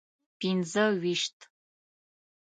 پنځه ویشت.